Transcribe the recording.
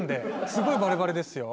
すごいバレバレですよ。